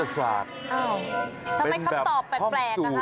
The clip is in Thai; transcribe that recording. เอ่อทำไมคำตอบแปลกอ่ะครับ